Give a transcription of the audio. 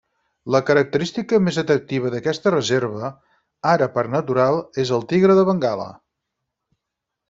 La característica més atractiva d'aquesta reserva, ara parc natural, és el tigre de Bengala.